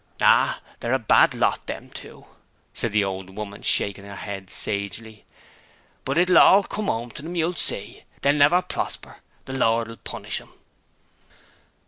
'Ah! They're a bad lot, them two,' said the old woman, shaking her head sagely. 'But it'll all come 'ome to 'em, you'll see. They'll never prosper. The Lord will punish them.'